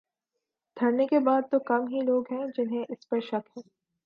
دھرنے کے بعد تو کم ہی لوگ ہیں جنہیں اس پر شک ہے۔